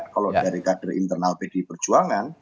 kalau dari kader internal pdi perjuangan